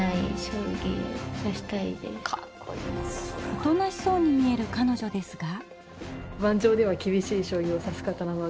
おとなしそうに見えるかのじょですが。